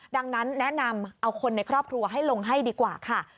ดังนั้นแนะนำเอาคนในครอบครัวให้ลงให้ดีกว่าค่ะ